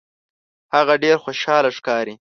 هغه ډیر خوشحاله ښکاري.